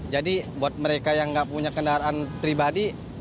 jadi buat mereka yang nggak punya kendaraan pribadi